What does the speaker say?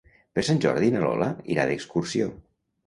Per Sant Jordi na Lola irà d'excursió.